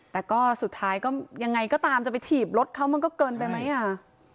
แต่ก็สุดท้ายก็ยังไงก็ตามจะไปถีบรถเขามันก็เกินไปไหมอ่ะ